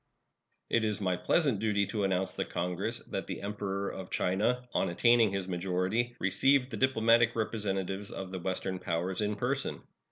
It is my pleasant duty to announce to Congress that the Emperor of China, on attaining his majority, received the diplomatic representatives of the Western powers in person.